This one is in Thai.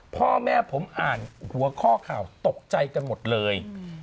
พ่อแม่ผมอ่านหัวข้อข่าวตกใจกันหมดเลย